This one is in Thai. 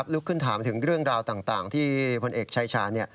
ลุกขึ้นถามถึงเรื่องราวต่างที่พลเอกชายชาญ